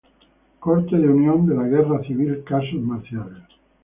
Corte de Unión de la Guerra Civil - Casos Marciales